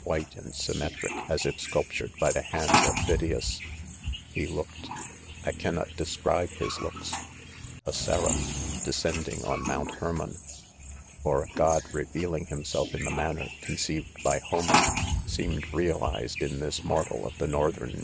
white and .'symmetric as if 'sculp tured , by, tlie : ,hand.of a Phy^ias.. . c He looked,. I cannot describe hisf Ipoks !—. A seraph, descending on. Mounts Harmon, i; or a gqji. repealing himjse]f. in; the msn^pf^p^^r, ed by Homer, seemed realized i n this jnprtal of the northern